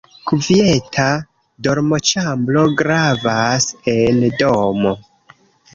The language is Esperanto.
Kvieta dormoĉambro gravas en domo.